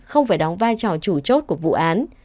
không phải đóng vai trò chủ chốt của vụ án